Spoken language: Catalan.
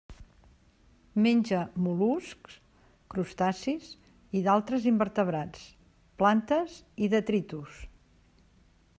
Menja mol·luscs, crustacis i d'altres invertebrats, plantes i detritus.